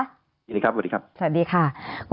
สวัสดีครับ